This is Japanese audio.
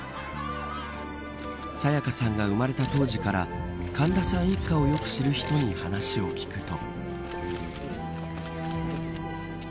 沙也加さんが生まれた当時から神田さん一家をよく知る人に話を聞くと。